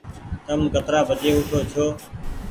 تم ڪترآ بجي اوٺو ڇو ۔